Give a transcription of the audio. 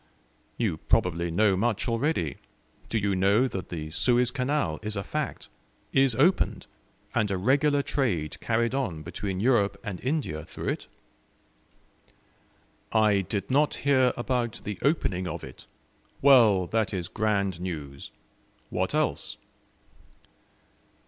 "You probably know much already. Do you know that the Suez Canal is a fact is opened, and a regular trade carried on between Europe and India through it?" "I did not hear about the opening of it. Well, that is grand news! What else?"